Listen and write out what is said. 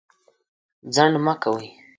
ځنډ مه کوئ.